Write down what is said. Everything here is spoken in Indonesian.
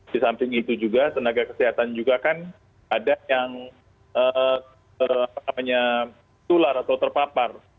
di samping itu juga tenaga kesehatan juga kan ada yang tular atau terpapar